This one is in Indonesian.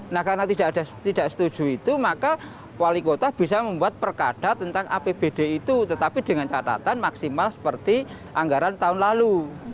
nah karena tidak setuju itu maka wali kota bisa membuat perkada tentang apbd itu tetapi dengan catatan maksimal seperti anggaran tahun lalu